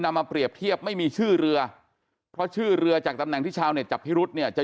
มาเปรียบเทียบไม่มีชื่อเรือเพราะชื่อเรือจากตำแหน่งที่ชาวเน็ตจับพิรุษเนี่ยจะ